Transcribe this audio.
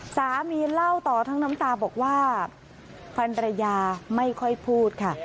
สามีเล่าต่อทั้งน้ำตาบอกว่าพันรยาไม่ค่อยพูดค่ะ